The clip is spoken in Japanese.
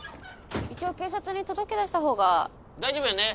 一応警察に届け出したほうが大丈夫だよね？